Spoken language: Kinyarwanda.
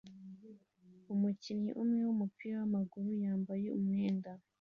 umukinnyi umwe wumupira wamaguru yambaye umwenda